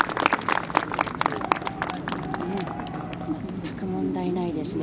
全く問題ないですね。